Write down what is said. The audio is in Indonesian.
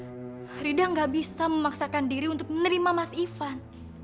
rida gak bisa memaksakan diri untuk menerima mas ivan